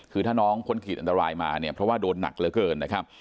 คือถ้าน้องพ้นขีดอันตรายมาเนี่ยเพราะว่าโดนหนักเหลือเกินนะครับ